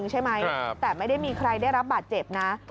ใช่ไหมแต่ไม่ได้มีใครได้รับบาดเจ็บนะ